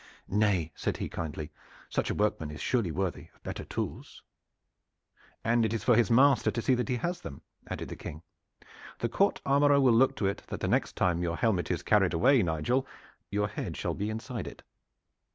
"Nay," said he kindly, "such a workman is surely worthy of better tools." "And it is for his master to see that he has them," added the King. "The court armorer will look to it that the next time your helmet is carried away, Nigel, your head shall be inside it."